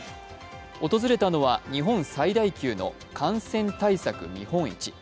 訪れたのは日本最大級の感染対策見本市。